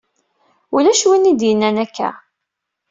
Ulac win i d-yennan akka.